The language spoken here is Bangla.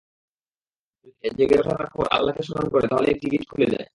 যদি সে জেগে ওঠার পর আল্লাহকে স্মরণ করে, তাহলে একটি গিট খুলে যায়।